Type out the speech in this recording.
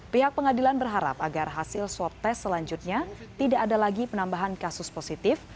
pihak pengadilan berharap agar hasil swab test selanjutnya tidak ada lagi penambahan kasus positif